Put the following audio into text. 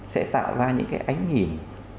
sẽ tạo ra những cái ánh nhìn